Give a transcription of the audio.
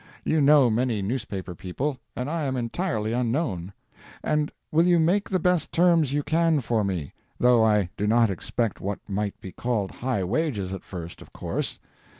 You know many newspaper people, and I am entirely unknown. And will you make the best terms you can for me? though I do not expect what might be called high wages at first, of course.